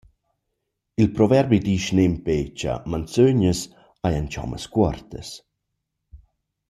Il proverbi disch nempe cha manzögnas hajan chommas cuortas.